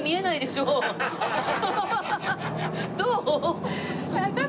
どう？